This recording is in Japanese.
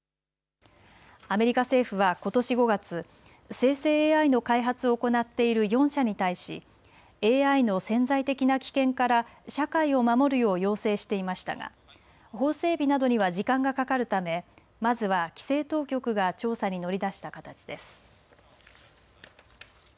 アメリカ政府はことし５月、生成ＡＩの開発を行っている４社に対しＡＩの潜在的な危険から社会を守るよう要請していましたが法整備などには時間がかかるためまずは規制当局が調査に乗り出した形です。